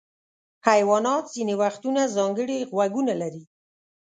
حیوانات ځینې وختونه ځانګړي غوږونه لري.